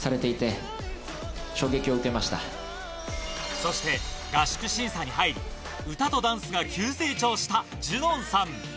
そして合宿審査に入り、歌とダンスが急成長したジュノンさん。